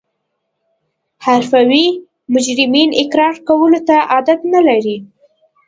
حرفوي مجرمین اقرار کولو ته عادت نلري